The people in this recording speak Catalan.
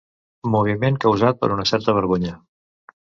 Moviment causat per una certa vergonya.